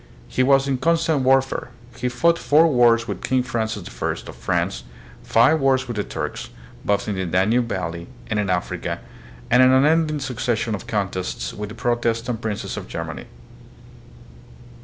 He was in constant warfare. He fought four wars with King Francis I. of France, five wars with the Turks, both in the Danube valley and in Africa, and an unending succession of contests with the Protestant princes of Germany.